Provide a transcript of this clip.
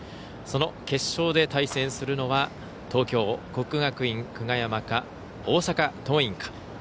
その決勝で対戦するのは東京、国学院久我山か大阪桐蔭か。